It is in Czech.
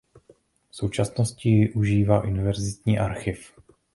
V současnosti ji užívá univerzitní archiv.